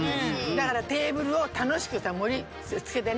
だからテーブルをたのしくさもりつけてね。